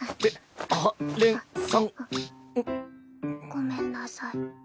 ごめんなさい。